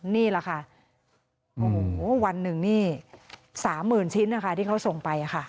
นี่แหละค่ะโอ้โหวันหนึ่งนี่๓๐๐๐ชิ้นนะคะที่เขาส่งไปค่ะ